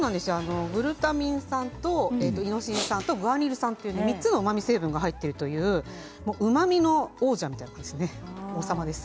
グルタミン酸とイノシン酸とグアニル酸という３つのうまみ成分が入っているといううまみの王者みたいな王様です。